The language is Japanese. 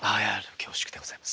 恐縮でございます。